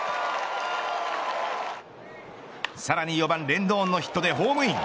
さらに４番レンドンのヒットでホームイン。